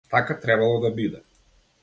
Така требало да биде.